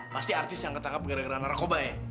pasti artis yang ketangkap gara gara narkoba ya